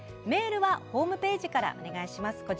メールはホームページからお願いします。